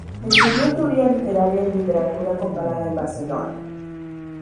Estudió Teoría literaria y Literatura comparada en Barcelona.